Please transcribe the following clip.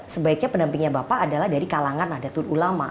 sebaiknya pendampingnya bapak adalah dari kalangan nahdlatul ulama